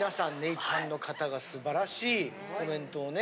一般の方が素晴らしいコメントをね。